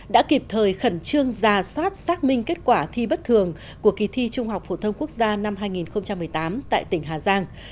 đã kịp thời khẩn trương ra soát xác minh kết quả thi bất thường của kỳ thi trung học phổ thông quốc gia năm hai nghìn một mươi tám tại tỉnh hà giang